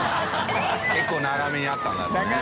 結構長めにあったんだろうね。